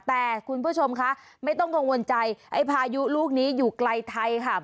แต่คุณผู้ชมคะไม่ต้องกังวลใจไอ้พายุลูกนี้อยู่ไกลไทยค่ะ